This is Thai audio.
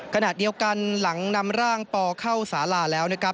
ขนาดเดียวกันหลังนำร่างปอเข้าสาราแล้ว